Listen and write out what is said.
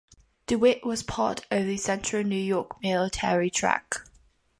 DeWitt was part of the Central New York Military Tract.